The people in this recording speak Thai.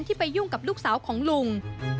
ไปยุ่งกับลูกสาวของลุง